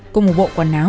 cùng một bộ quần áo